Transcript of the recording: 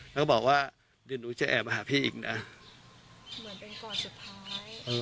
แล้วก็บอกว่าเดี๋ยวหนูจะแอบมาหาพี่อีกนะเหมือนเป็นก่อนสุดท้าย